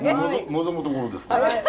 望むところです。